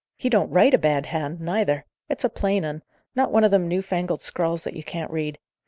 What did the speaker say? "He don't write a bad hand, neither! It's a plain un; not one o' them new fangled scrawls that you can't read.